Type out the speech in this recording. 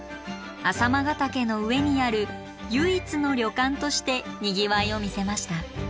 朝熊ヶ岳の上にある唯一の旅館としてにぎわいを見せました。